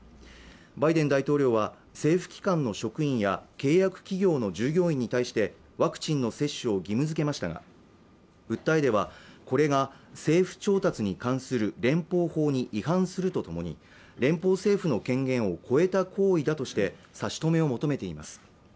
バイデン大統領は政府機関の職員や契約企業の従業員に対してワクチンの接種を義務づけましたが訴えではこれが政府調達に関する連邦法に違反するとともに連邦政府の権限を越えた行為だとして差し止めを求めています